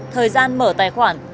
thời gian mở tài khoản